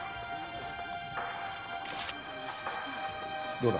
どうだ？